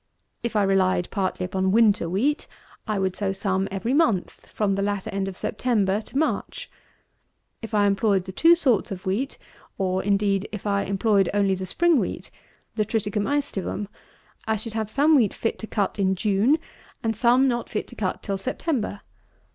If I relied partly upon winter wheat, I would sow some every month, from the latter end of September to March. If I employed the two sorts of wheat, or indeed if I employed only the spring wheat, the TRITICUM ÆSTIVUM, I should have some wheat fit to cut in June, and some not fit to cut till September.